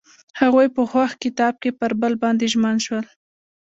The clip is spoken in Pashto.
هغوی په خوښ کتاب کې پر بل باندې ژمن شول.